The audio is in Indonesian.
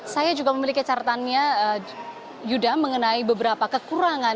saya juga memiliki caratannya yuda mengenai beberapa kekurangan